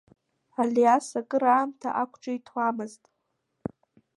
Алиас акыраамҭа ақәҿиҭуамызт…